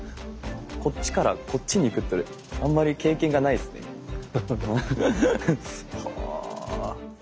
こっちからこっちに行くってあんまり経験がないですね。は。